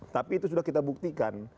tapi itu sudah kita buktikan